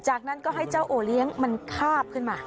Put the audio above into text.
จากนั้นก็ให้เจ้าโอเลี้ยงมันคาบขึ้นมา